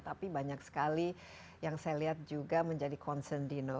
tapi banyak sekali yang saya lihat juga menjadi concern dino